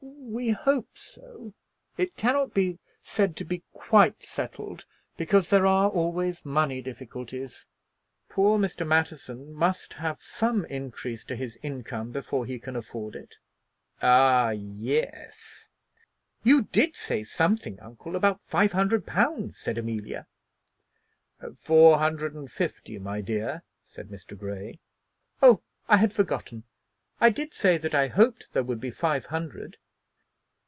"We hope so. It cannot be said to be quite settled, because there are always money difficulties. Poor Mr. Matterson must have some increase to his income before he can afford it." "Ah, yes!" "You did say something, uncle, about five hundred pounds," said Amelia. "Four hundred and fifty, my dear," said Mr. Grey. "Oh, I had forgotten. I did say that I hoped there would be five hundred."